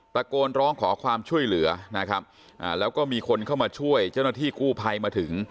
ตะโกนร้องขอความช่วยเหลือนะครับแล้วก็มีคนเข้ามาช่วยเจ้าหน้าที่กู้ภัยมาถึง